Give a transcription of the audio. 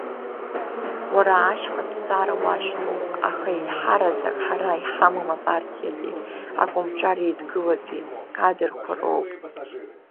Уара ашьхатә ҵара уашьҭоуп, аха еиҳараӡак ҳара иҳамам апартиатәи акомҿареидгылатәи кадрқәа роуп.